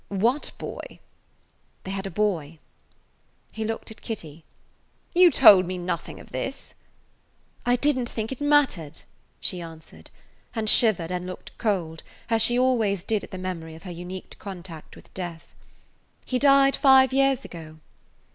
"What boy?" "They had a boy." He looked at Kitty. "You told me nothing of this!" "I didn't think it mattered," she answered, and shivered and looked cold, as she always did at the memory of her unique contact with death. "He died five years ago."